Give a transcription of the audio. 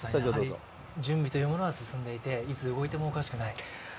準備というのは進んでいて、いつ動いてもおかしくない。